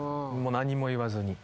何も言わずに。